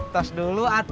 terus dulu atas